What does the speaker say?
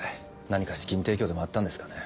何か資金提供でもあったんですかね。